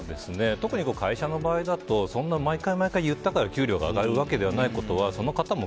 特に会社の場合だとそんな毎回毎回、言ったから給料が上がるわけではないことはその方も